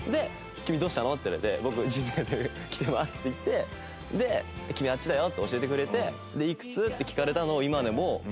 「君どうしたの？」って言われて「僕Ｊｒ．で来てます」って言ってで「君あっちだよ」って教えてくれて「いくつ？」って聞かれたのを今でも覚えてますし。